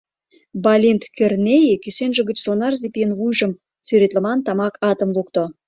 Балинт Кӧрнеи кӱсенже гыч сонарзе пийын вуйжым сӱретлыман тамак атым лукто.